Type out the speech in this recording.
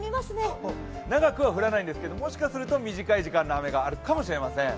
長くは降らないんですけど、もしかすると短い時間の雨があるかもしれません。